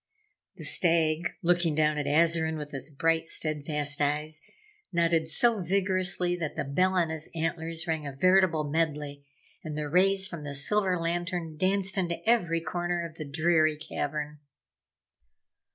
The Stag, looking down at Azarine with his bright, steadfast eyes, nodded so vigorously that the bell on his antlers rang a veritable medley, and the rays from the silver lantern danced into every corner of the dreary cavern.